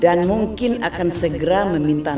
dan mungkin akan segera meminta tuhan